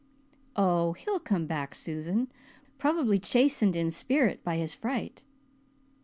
"Oh, he'll come back, Susan, probably chastened in spirit by his fright."